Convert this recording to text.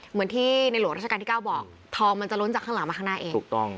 เหมือนที่ในหลวงราชการที่๙บอกทองมันจะล้นจากข้างหลังมาข้างหน้าเองถูกต้อง